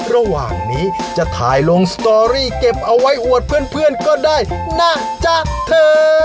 ระหว่างนี้จะถ่ายลงสตอรี่เก็บเอาไว้อวดเพื่อนก็ได้นะจ๊ะเธอ